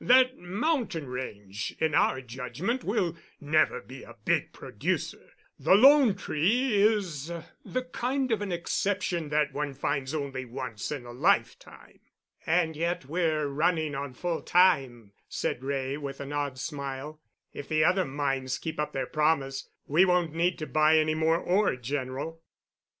That mountain range, in our judgment, will never be a big producer. The 'Lone Tree' is the kind of an exception that one finds only once in a lifetime." "And yet we're running on full time," said Wray, with an odd smile. "If the other mines keep up their promise we won't need to buy any more ore, General."